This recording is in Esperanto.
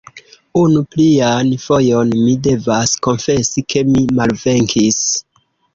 Unu plian fojon mi devas konfesi ke mi malvenkis.